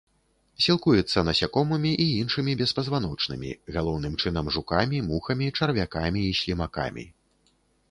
Сілкуецца насякомымі і іншымі беспазваночнымі, галоўным чынам жукамі, мухамі, чарвякамі і слімакамі.